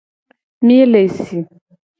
Mi le si.